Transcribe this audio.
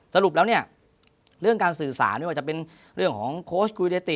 สรุปแล้วเนี่ยเรื่องการสื่อสารไม่ว่าจะเป็นเรื่องของโค้ชคุยได้ติ